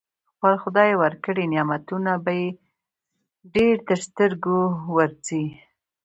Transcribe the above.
خپل خدای ورکړي نعمتونه به يې ډېر تر سترګو ورځي.